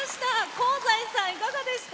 香西さん、いかがでした？